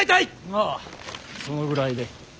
まあそのぐらいで。